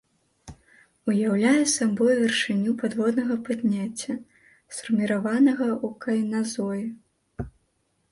Уяўляе сабою вяршыню падводнага падняцця, сфарміраванага ў кайназоі.